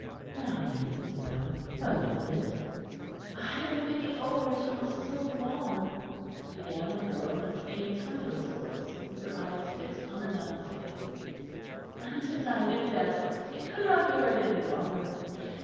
"Now then, Isabel, what is it?" "I have been thinking over it all so long," began the girl, in the same tremulous voice, with her eyes fixed on the nun's face, "and to night in bed I could not bear it any longer.